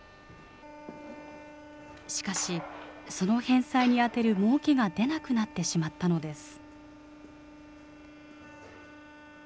しかし、その返済に充てるもうけが出なくなってしまったのです。